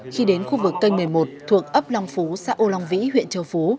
khi đến khu vực kênh một mươi một thuộc ấp long phú xã âu long vĩ huyện châu phú